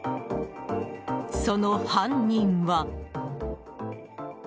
その犯人は。